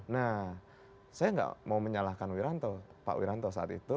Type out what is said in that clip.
nah saya gak mau menyalahkan pak wiranto saat itu